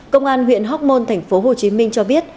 công an huyện hóc môn tp hcm cho biết